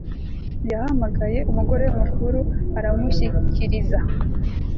yahamagaye umugore we mukuru cyane aramushyikiriza